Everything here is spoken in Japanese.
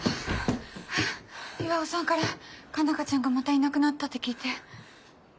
巌さんから佳奈花ちゃんがまたいなくなったって聞いて。